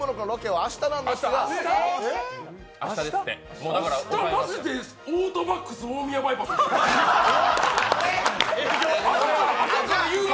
明日、マジでオートバックス・大宮バイパスですよ！？